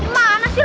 mana sih lu